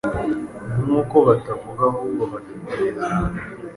nk’uko batavuga ahubwo bakemeza